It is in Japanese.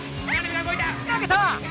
投げた！